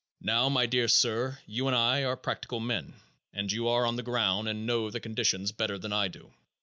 Now, my dear sir, you and I are practical men, and you are on the ground and know the conditions better than I do.